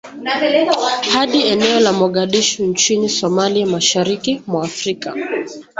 Hadi eneo la Mogadishu nchini Somalia mashariki mwa Afrika